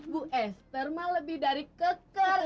bu esper mah lebih dari keker